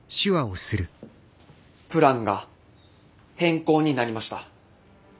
プランが変更になりました。